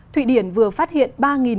thụy điển vừa phát hiện